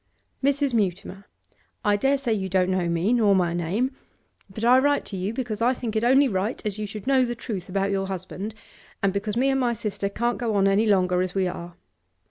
'Mrs. Mutimer, I dare say you don't know me nor my name, but I write to you because I think it only right as you should know the truth about your husband, and because me and my sister can't go on any longer as we are.